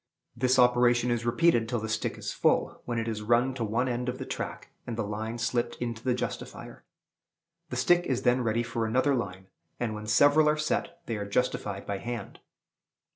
This operation is repeated till the stick is full, when it is run to one end of the track, and the line slipped into the justifier. The stick is then ready for another line; and, when several are set, they are justified by hand.